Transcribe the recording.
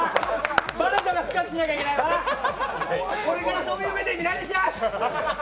バレたら深くしなきゃいけないよな、これからそういう目で見られちゃう。